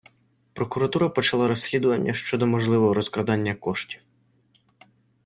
Прокуратура почала розслідування щодо можливого розкрадання коштів.